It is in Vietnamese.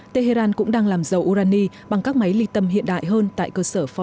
tehran cũng đang làm giấu urani bằng các máy lý tưởng